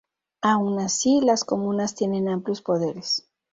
Aun así, las comunas tienen amplios poderes.